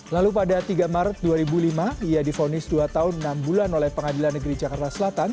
lalu pada tiga maret dua ribu lima ia difonis dua tahun enam bulan oleh pengadilan negeri jakarta selatan